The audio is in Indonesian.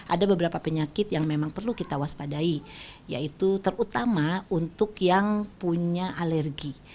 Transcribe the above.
ada beberapa penyakit yang memang perlu kita waspadai yaitu terutama untuk yang punya alergi